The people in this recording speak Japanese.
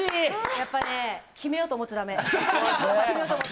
やっぱりね決めようと思っちゃダメ。